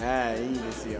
いいですよ。